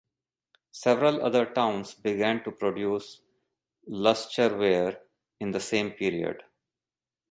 Several other towns began to produce lustreware in the same period.